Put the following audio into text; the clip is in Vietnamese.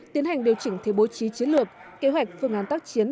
tiến hành điều chỉnh thế bố trí chiến lược kế hoạch phương án tác chiến